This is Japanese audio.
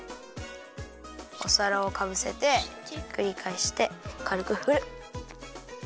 おさらをかぶせてひっくりかえしてかるくふる。